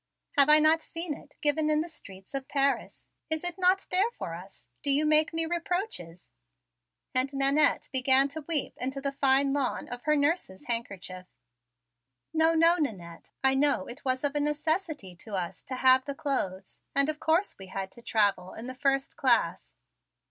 Have I not seen it given in the streets of Paris? Is it not there for us? Do you make me reproaches?" And Nannette began to weep into the fine lawn of her nurse's handkerchief. "No, no, Nannette; I know it was of a necessity to us to have the clothes, and of course we had to travel in the first class.